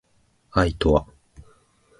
愛とは